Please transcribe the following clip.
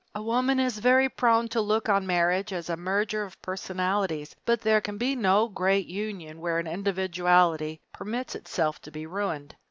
A woman is very prone to look on marriage as a merger of personalities, but there can be no great union where an individuality permits itself to be ruined.